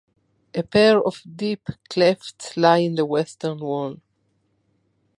A pair of deep clefts lie in the western wall.